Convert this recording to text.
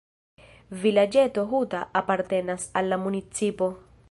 Vilaĝeto "Huta" apartenas al la municipo.